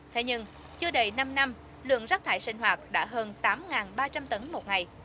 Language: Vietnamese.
thế nhưng chưa đầy năm năm lượng rác thải sinh hoạt đã hơn tám ba trăm linh tấn một ngày